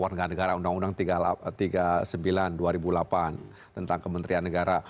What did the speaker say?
warga negara undang undang tiga puluh sembilan dua ribu delapan tentang kementerian negara